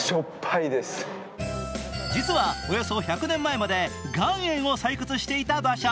実は、およそ１００年前まで岩塩を採掘していた場所。